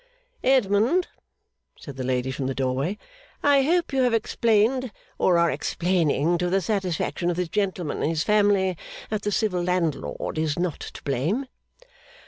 'Edmund,' said the lady from the doorway, 'I hope you have explained, or are explaining, to the satisfaction of this gentleman and his family that the civil landlord is not to blame?